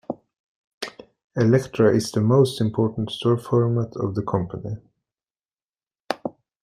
Elektra is the most important store format of the company.